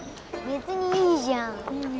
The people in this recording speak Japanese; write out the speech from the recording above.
別にいいじゃん。